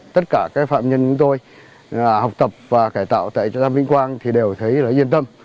tất cả các phạm nhân chúng tôi học tập và cải tạo tại trại giam vĩnh quang thì đều thấy yên tâm